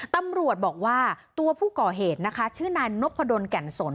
ตำรวจบอกว่าตัวผู้ก่อเหตุนะคะชื่อนายนพดลแก่นสน